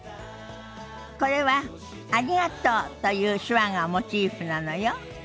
これは「ありがとう」という手話がモチーフなのよ。